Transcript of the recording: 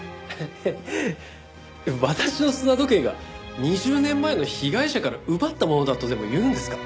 えっ私の砂時計が２０年前の被害者から奪ったものだとでもいうんですか？